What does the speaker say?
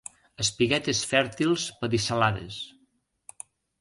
Espiguetes fèrtils pedicel·lades.